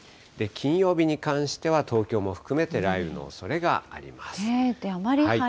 金曜日に関しては、東京も含めて雷雨のおそれがあります。